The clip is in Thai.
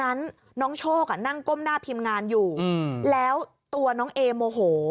นั้นน้องโชคอะนั่งก้มหน้าพิมพ์งานอยู่อืมแล้วตัวน้องเอโมโห